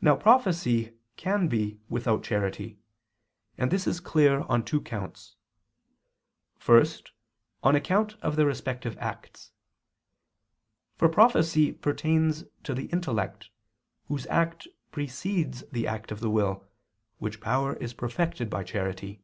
Now prophecy can be without charity; and this is clear on two counts. First, on account of their respective acts: for prophecy pertains to the intellect, whose act precedes the act of the will, which power is perfected by charity.